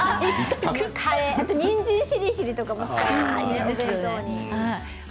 あとはにんじんしりしりとかも作ります。